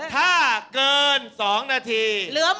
ถ้าเกินสองนาที